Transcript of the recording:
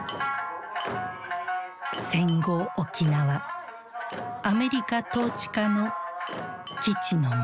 戦後沖縄アメリカ統治下の基地の街。